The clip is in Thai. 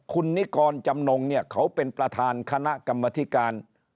คุณนิกรจำนงเนี่ยเขาเป็นประธานคณะกรรมธิการ